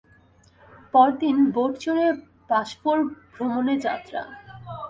পরদিন বোট চড়ে বাস্ফোর ভ্রমণে যাত্রা।